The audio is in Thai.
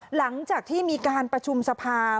หลังจากที่มีการประชุมสภา